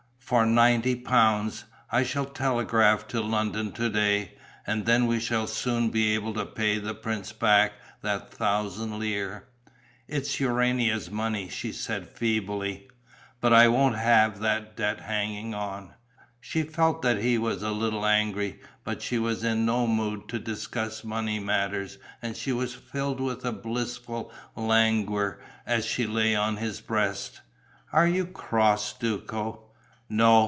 "For ninety pounds. I shall telegraph to London to day. And then we shall soon be able to pay the prince back that thousand lire." "It's Urania's money," she said, feebly. "But I won't have that debt hanging on." She felt that he was a little angry, but she was in no mood to discuss money matters and she was filled with a blissful languor as she lay on his breast.... "Are you cross, Duco?" "No